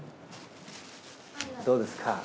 どうですか？